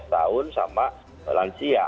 lima belas tahun sama lansia